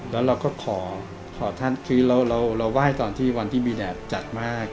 แล้วเราก็ขอท่านคือเราไหว้ตอนที่วันที่มีแดดจัดมาก